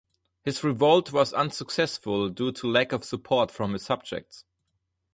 His revolt was unsuccessful due to lack of support from his subjects.